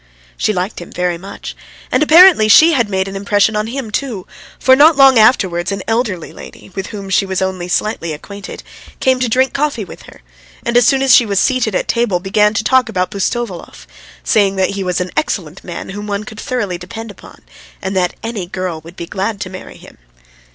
She liked him very much. And apparently she had made an impression on him too, for not long afterwards an elderly lady, with whom she was only slightly acquainted, came to drink coffee with her, and as soon as she was seated at table began to talk about Pustovalov, saying that he was an excellent man whom one could thoroughly depend upon, and that any girl would be glad to marry him.